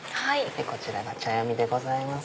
こちらが茶詠みでございます。